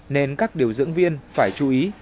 nên các điều dưỡng viên phải chú ý